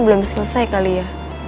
belum selesai kali ya